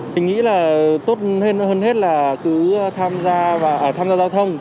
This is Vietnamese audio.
mình nghĩ là tốt hơn hết là cứ tham gia giao thông